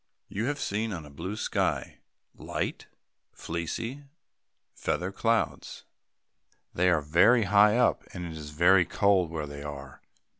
You have seen on a blue sky, light, fleecy feather clouds. They are very high up, and it is very cold where they are.